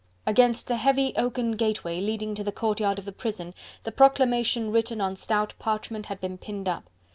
Against the heavy oaken gateway, leading to the courtyard of the prison, the proclamation written on stout parchment had been pinned up.